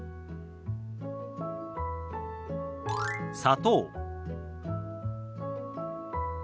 「砂糖」。